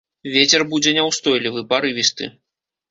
Вецер будзе няўстойлівы, парывісты.